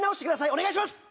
お願いします！